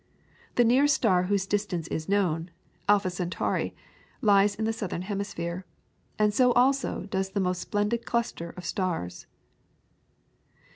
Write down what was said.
The nearest star whose distance is known, Alpha Centauri, lies in the southern hemisphere, and so also does the most splendid cluster of stars.